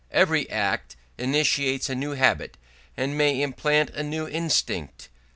Every act initiates a new habit and may implant a new instinct.